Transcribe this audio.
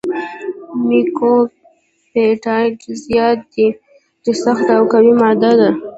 میوکوپپټایډ زیات دی چې سخته او قوي ماده ده.